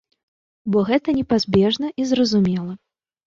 Бо гэта непазбежна і зразумела.